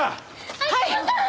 はい！